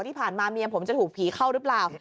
ที่ผ่านมาเมียผมจะถูกผีเข้าหรือเปล่า